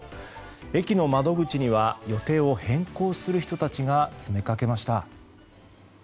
駅の窓口には予定を変更する人たちが詰めかけました。